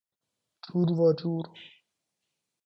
جوراجور